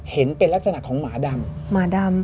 เห็นเป็นลักษณะของหมาดำ